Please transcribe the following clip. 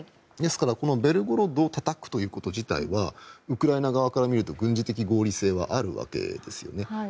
ですからベルゴロドをたたくということ自体はウクライナ側から見ると心理的合意性はあるわけですよね。